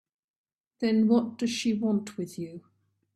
Then what does she want with you?